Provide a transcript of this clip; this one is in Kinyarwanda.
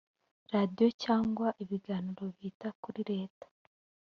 radiyo cyangwa ibiganiro bihita kuri leta